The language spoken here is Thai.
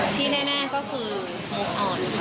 ที่แน่ก็คือโมงออน